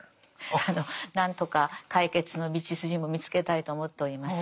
あの何とか解決の道筋も見つけたいと思っております。